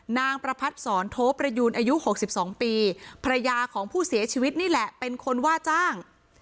นางประพัดศรโทประยูนอายุ๖๒ปีภรรยาของผู้เสียชีวิตนี่แหละเป็นคนว่าจ้าง